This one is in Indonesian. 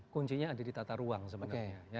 kuncinya ada di tata ruang sebenarnya